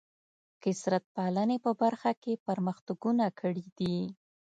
کثرت پالنې په برخه کې پرمختګونه کړي دي.